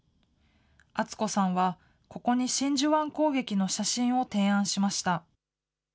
淳子さんは、ここに真珠湾攻撃の写真を提案しました。